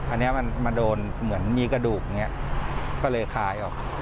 อันนี้มันมาโดนเหมือนมีกระดูกอย่างนี้ก็เลยคล้ายออก